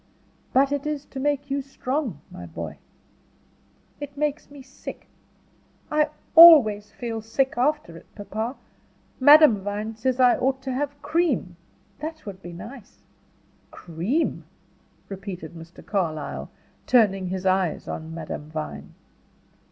"But it is to make you strong, my boy." "It makes me sick. I always feel sick after it, papa. Madame Vine says I ought to have cream. That would be nice." "Cream?" repeated Mr. Carlyle, turning his eyes on Madame Vine.